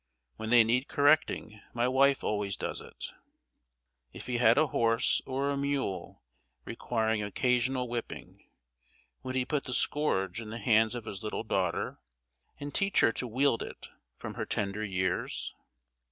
When they need correcting, my wife always does it." If he had a horse or a mule requiring occasional whipping, would he put the scourge in the hands of his little daughter, and teach her to wield it, from her tender years?